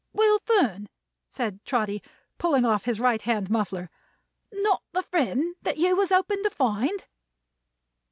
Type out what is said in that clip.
"Will Fern," said Trotty, pulling on his right hand muffler. "Not the friend that you was hoping to find?"